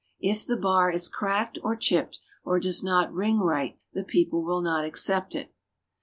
If the bar is cracked or chipped or does not ring right, the people will not accept it.